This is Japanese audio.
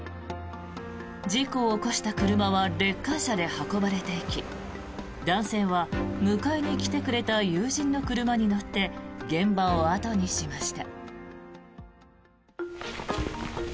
事故を起こした車はレッカー車で運ばれていき男性は迎えに来てくれた友人の車に乗って現場を後にしました。